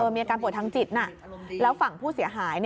มีอาการป่วยทางจิตแล้วฝั่งผู้เสียหาย